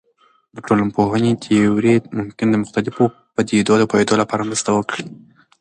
د ټولنپوهنې تیورۍ ممکن د مختلفو پدیدو د پوهیدو لپاره مرسته وکړي.